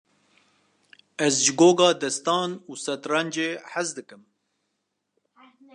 Ez ji goga destan û şetrencê hez dikim.